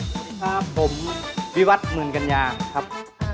สวัสดีครับผมวิวัตรหมื่นกัญญาครับ